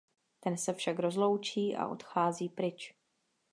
Ten se však rozloučí a odchází pryč.